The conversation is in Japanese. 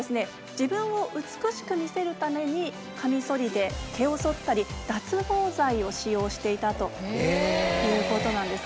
自分を美しく見せるためにかみそりで毛をそったり脱毛剤を使用していたということなんです。